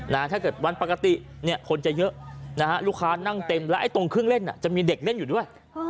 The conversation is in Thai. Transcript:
ถ้าเกิดวันปกติเนี่ยคนจะเยอะนะฮะลูกค้านั่งเต็มแล้วไอ้ตรงเครื่องเล่นจะมีเด็กเล่นอยู่ด้วย